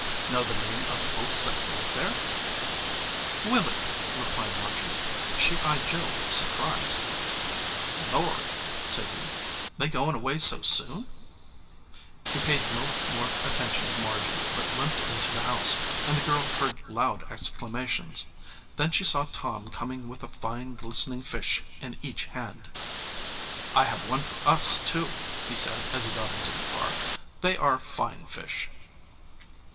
"Know the name of the folks that live there?" "Willard," replied Margy. She eyed Joe with surprise. "Lord !" said he. "They goin* away so soon ?" He paid no more attention to Margy, but limped into the house, and the girl heard loud exclama tions. Then she saw Tom coming with a fine glis tening fish in each hand. "I have one for us, too," he said as he got into the car. "They are fine fish."